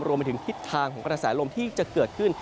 รวมไปถึงทิศทางของกระแสลมที่จะเกิดขึ้น